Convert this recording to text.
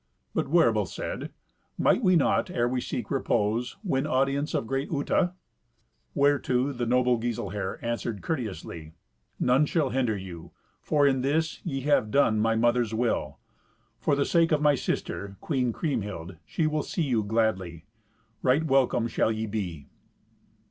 But Werbel said, "Might we not, ere we seek repose, win audience of great Uta?" Whereto the noble Giselher answered courteously, "None shall hinder you, for in this ye shall have done my mother's will. For the sake of my sister, Queen Kriemhild, she will see you gladly. Right welcome shall ye be."